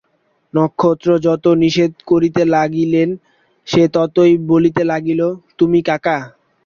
নক্ষত্র যত নিষেধ করিতে লাগিলেন সে ততই বলিতে লাগিল, তুমি কাকা।